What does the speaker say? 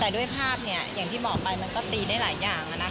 โดยภาพมันก็ตีได้หลายอย่าง